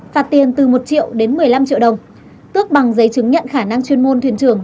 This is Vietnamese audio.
phạt tiền từ một triệu đến một mươi năm triệu đồng tước bằng giấy chứng nhận khả năng chuyên môn thuyền trưởng